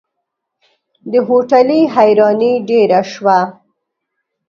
د هوټلي حيراني ډېره شوه.